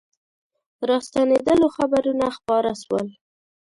راستنېدلو خبرونه خپاره سول.